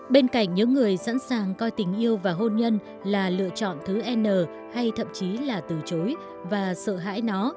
bên cạnh những người sẵn sàng coi tình yêu và hôn nhân là lựa chọn thứ n hay thậm chí là từ chối và sợ hãi nó